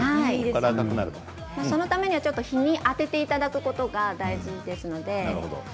そのためには日に当てていただくことが大事ですので。